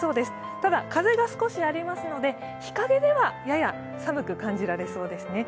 ただ風が少しありそうですので日影ではやや寒く感じられそうですね。